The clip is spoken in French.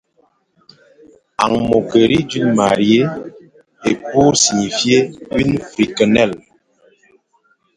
en mocquerie d’une mariée, et pour signifier une fricquenelle.